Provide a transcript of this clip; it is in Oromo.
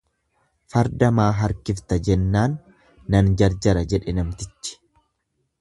"""Farda maa harkifta"" jennaan nan jarjara jedhe namtichi."